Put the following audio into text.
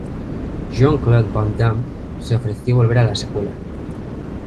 Jean-Claude Van Damme se ofreció volver a la secuela.